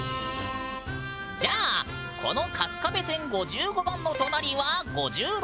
じゃあこの「春日部線５５番」の隣は５６番。